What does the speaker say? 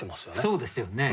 そうですよね